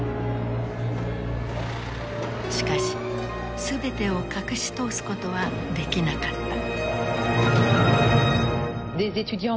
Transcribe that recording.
しかし全てを隠し通すことはできなかった。